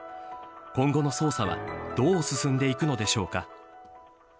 今後の捜査はどう進んでいくんでしょうか。